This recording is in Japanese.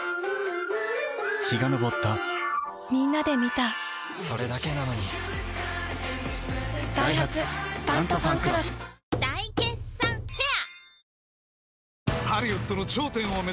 陽が昇ったみんなで観たそれだけなのにダイハツ「タントファンクロス」大決算フェア